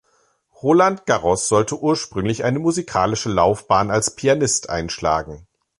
Roland Garros sollte ursprünglich eine musikalische Laufbahn als Pianist einschlagen.